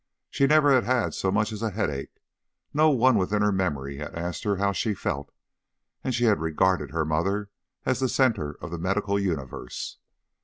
She never had had so much as a headache, no one within her memory had asked her how she felt, and she had regarded her mother as the centre of the medical universe.